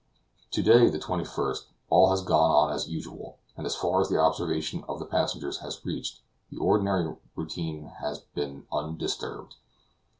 To day, the 21st, all has gone on as usual; and as far as the observation of the passengers has reached, the ordinary routine has been undisturbed.